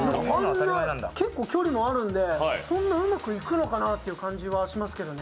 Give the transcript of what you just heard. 結構距離もあるんで、そんなうまくいくのかなという感じはしますけどね。